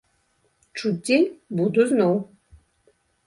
Чуць дзень буду зноў.